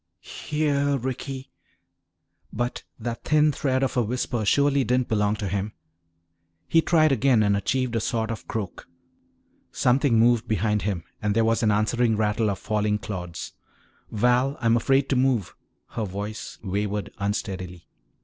"Here, Ricky!" But that thin thread of a whisper surely didn't belong to him. He tried again and achieved a sort of croak. Something moved behind him and there was an answering rattle of falling clods. "Val, I'm afraid to move," her voice wavered unsteadily.